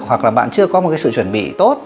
hoặc là bạn chưa có một cái sự chuẩn bị tốt